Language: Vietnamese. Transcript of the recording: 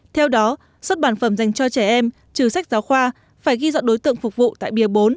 theo đó xuất bản phẩm dành cho trẻ em trừ sách giáo khoa phải ghi dọn đối tượng phục vụ tại bìa bốn